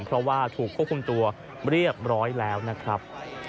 เพราะว่าถูกควบคุมตัวเรียบร้อยแล้วนะครับ